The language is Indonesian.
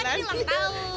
kebetulan ini ulang tahun